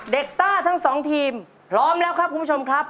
ซ่าทั้งสองทีมพร้อมแล้วครับคุณผู้ชมครับ